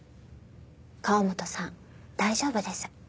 河元さん大丈夫です。